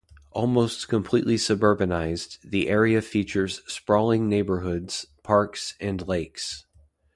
Almost completely suburbanized, the area features sprawling neighborhoods, parks, and lakes.